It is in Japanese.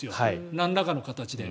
なんらかの形で。